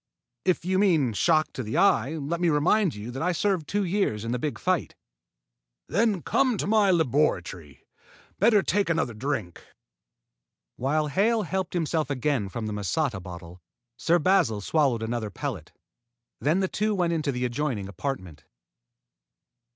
"If you mean shock to the eye, let me remind you that I served two years in the big fight." "Then come to my laboratory. Better take another drink." While Hale helped himself again from the masata bottle, Sir Basil swallowed another pellet. Then the two went into the adjoining apartment.